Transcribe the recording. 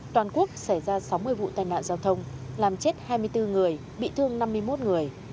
toàn quốc xảy ra sáu mươi vụ tai nạn giao thông làm chết hai mươi bốn người bị thương năm mươi một người